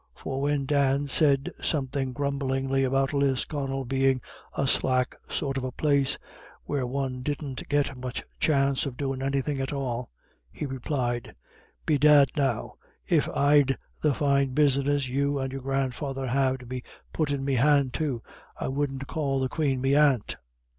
For when Dan said something grumblingly about Lisconnel being "a slack sort of a place, where one didn't get much chance of doin' anythin' at all;" he replied, "Bedad now, if I'd the fine business you and your grandfather have to be puttin' me hand to, I wouldn't call the Queen me aunt."